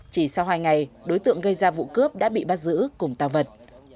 chỉ sau hai ngày đối tượng gây ra vụ cướp đã bị bắt giữ cùng tàu vật